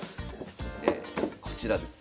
こちらです。